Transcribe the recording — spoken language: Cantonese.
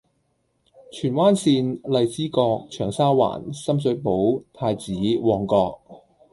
荃灣綫：荔枝角，長沙灣，深水埗，太子，旺角